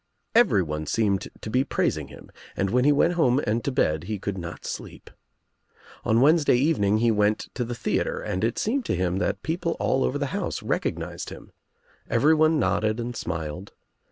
Everyone seemed to be prais ing him and when he went home and to bed he could not sleep. On Wednesday evening he went to the theatre and it seemed to him that people all over the house recognized him. Everyone nodded and smiled.